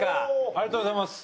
ありがとうございます。